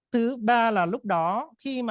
thứ ba là lúc đó khi mà